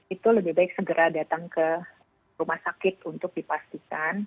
itu lebih baik segera datang ke rumah sakit untuk dipastikan